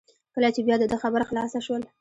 کله چې بیا د ده خبره خلاصه شول.